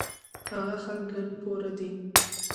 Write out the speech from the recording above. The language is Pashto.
هغه خلک ګړد پوره دي